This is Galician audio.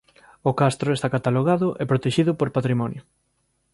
O castro está catalogado e protexido por Patrimonio.